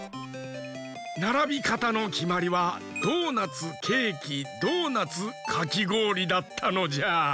ならびかたのきまりはドーナツケーキドーナツかきごおりだったのじゃ。